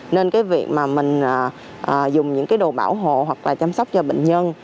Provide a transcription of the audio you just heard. nên việc mình dùng những đồ bảo hộ hoặc là chăm sóc cho bệnh nhân